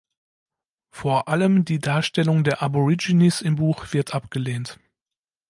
Vor allem die Darstellung der Aborigines im Buch wird abgelehnt.